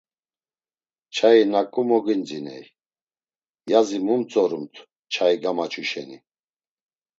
Çayi naǩu mogidziney, yazi mu mtzorumt çayi gamaçu şeni.